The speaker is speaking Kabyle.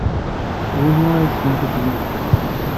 D acu ay tessnemt ad t-tgemt?